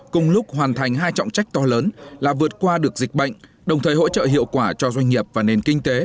cùng lúc hoàn thành hai trọng trách to lớn là vượt qua được dịch bệnh đồng thời hỗ trợ hiệu quả cho doanh nghiệp và nền kinh tế